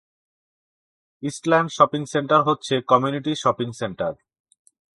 ইস্টল্যান্ড shopping centre হচ্ছে community shopping centre.